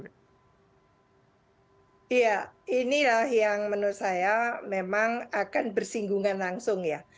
iya inilah yang menurut saya memang akan bersinggungan langsung ya